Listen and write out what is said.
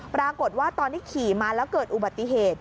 ปรากฏว่าตอนที่ขี่มาแล้วเกิดอุบัติเหตุ